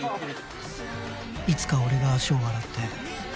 「いつか俺が足を洗って」